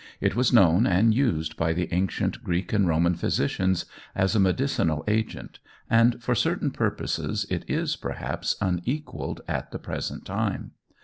It was known and used by the ancient Greek and Roman physicians as a medicinal agent, and for certain purposes it is, perhaps, unequalled at the present time.